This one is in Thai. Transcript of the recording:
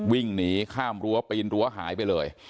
วิ่งหนีข้ามรั้วปีนรั้วหายไปเลย